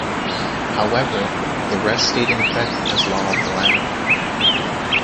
However, the rest stayed in effect as law of the land.